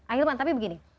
ahilman tapi begini